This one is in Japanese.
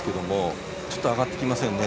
ちょっと上がってきませんね。